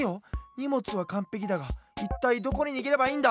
にもつはかんぺきだがいったいどこににげればいいんだ？